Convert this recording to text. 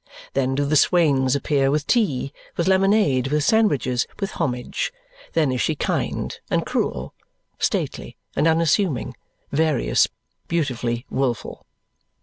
Then do the swains appear with tea, with lemonade, with sandwiches, with homage. Then is she kind and cruel, stately and unassuming, various, beautifully wilful.